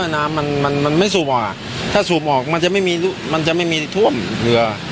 น้ำมันไม่สูบออกถ้าสูบออกมันจะไม่มีท่วมเรือ